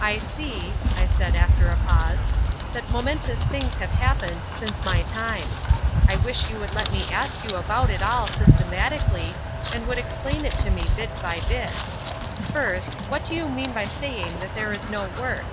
"I see," I said after a pause, "that momentous things have happened since my time. I wish you would let me ask you about it all systematically, and would explain it to me bit by bit. First, what do you mean by saying that there is no work?"